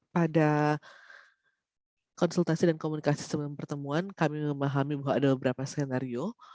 pada konsultasi dan komunikasi sebelum pertemuan kami memahami bahwa ada beberapa skenario